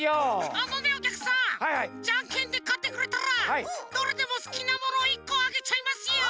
あのねおきゃくさんじゃんけんでかってくれたらどれでもすきなものを１こあげちゃいますよ！